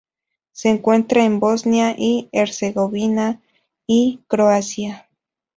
Se encuentra en Bosnia y Herzegovina y Croacia.